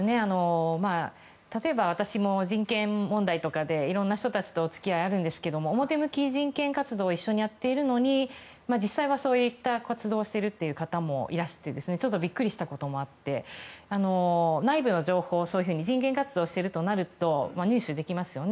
例えば、私も人権問題とかでいろんな人たちとお付き合いがあるんですけど表向き、人権活動を一緒にやっているのに実際は、そういった活動をしている方もいらしていて、ちょっとビックリしたこともあって人権活動してるとなると内部の情報を入手できますね。